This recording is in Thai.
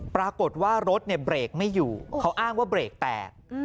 ปรากฏว่ารถเนี่ยเบรกไม่อยู่เขาอ้างว่าเบรกแตก